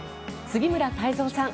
杉村太蔵さん